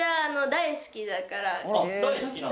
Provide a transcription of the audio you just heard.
大好きなの？